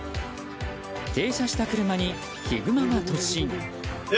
停車した車にヒグマが突進。